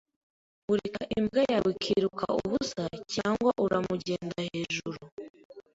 Ureka imbwa yawe ikiruka ubusa cyangwa uramugenda hejuru?